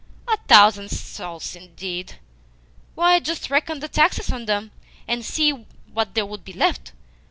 A thousand souls, indeed! Why, just reckon the taxes on them, and see what there would be left!